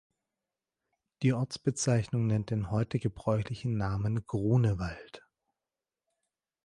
Die Ortsbezeichnung nennt den heute gebräuchliche Namen Grunewald.